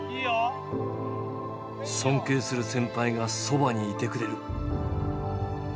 尊敬する先輩がそばにいてくれる。